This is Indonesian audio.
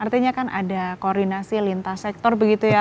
artinya kan ada koordinasi lintas sektor begitu ya